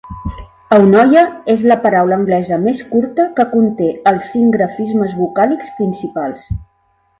"Eunoia" és la paraula anglesa més curta que conté els cinc grafismes vocàlics principals.